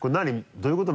どういうこと？